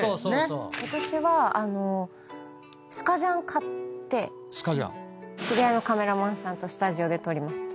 ことしはスカジャン買って知り合いのカメラマンさんとスタジオで撮りました。